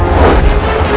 kami akan menangkap kalian